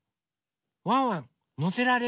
ワンワンのせられる？